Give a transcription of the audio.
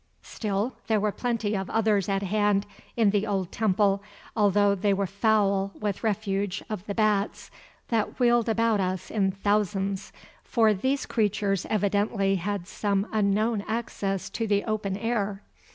Still, there were plenty of others at hand in the old temple, although they were foul with the refuse of the bats that wheeled about us in thousands, for these creatures evidently had some unknown access to the open air.